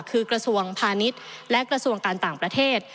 คือกระทรวงพาณิชย์และกระทรวงการต่างประเทศ